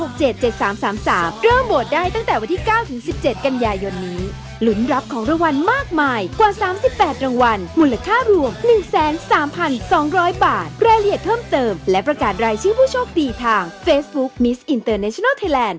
คงเป็นหน้างามนะครับว่าฉันเกิดมาเพื่อจะเป็นนักเต้น